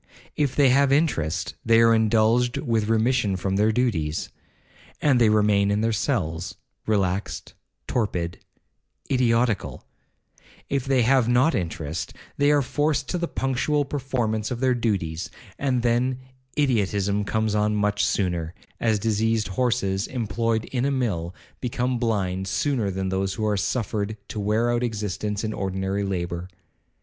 If they have interest, they are indulged with remission from their duties, and they remain in their cells, relaxed,—torpid,—idiotical; if they have not interest, they are forced to the punctual performance of their duties, and then idiotism comes on much sooner, as diseased horses, employed in a mill, become blind sooner than those who are suffered to wear out existence in ordinary labour.